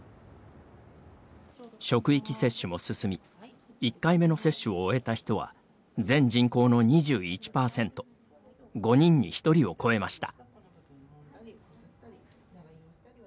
職域接種も進み１回目の接種を終えた人は全人口の２１％５人に１人を超えました。